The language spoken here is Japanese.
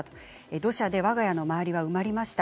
土砂で、わが家の周りは埋まりました。